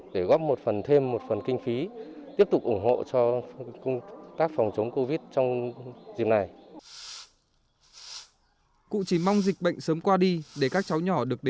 đẩy lùi giặc covid của đất nước